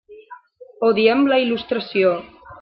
Odiem la il·lustració.